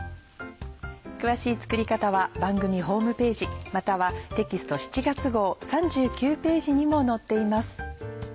詳しい作り方は番組ホームページまたはテキスト７月号３９ページにも載っています。